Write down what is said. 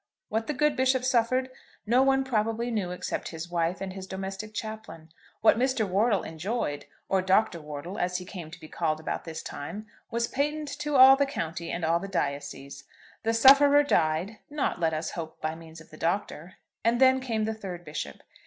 What the good bishop suffered no one probably knew except his wife and his domestic chaplain. What Mr. Wortle enjoyed, or Dr. Wortle, as he came to be called about this time, was patent to all the county and all the diocese. The sufferer died, not, let us hope, by means of the Doctor; and then came the third bishop.